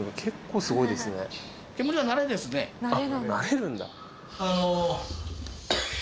あっ慣れるんだ。